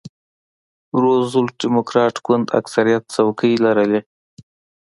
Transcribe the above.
روزولټ ډیموکراټ ګوند اکثریت څوکۍ لرلې.